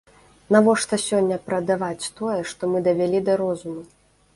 Навошта сёння прадаваць тое, што мы давялі да розуму?